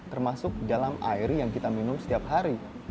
termasuk dalam air yang kita minum setiap hari